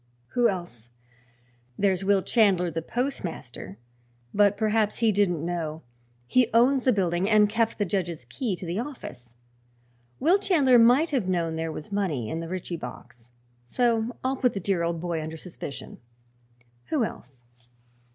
Who else? There's Will Chandler, the postmaster; but perhaps he didn't know. He owns the building and kept the judge's key to the office. Will Chandler might have known there was money in the Ritchie box, so I'll put the dear old boy under suspicion. Who else?"